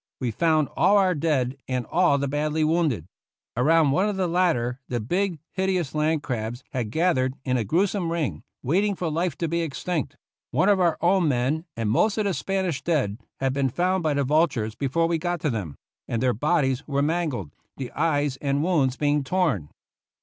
We found all our dead and all the badly wounded. Around one of the lat ter the big, hideous land crabs had gathered in a grewsome ring, waiting for life to be extinct. 104 GENERAL YOUNG'S FIGHT One of our own men and most of the Spanish dead had been found by the vultures before we got to them ; and their bodies were mangled, the eyes and wounds being torn.